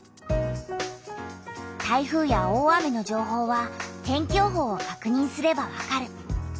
台風や大雨の情報は天気予報をかくにんすればわかる。